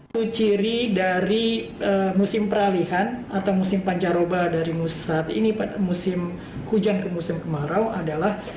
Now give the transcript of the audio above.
satu ciri dari musim peralihan atau musim pancaroba dari musim hujan ke musim kemarau adalah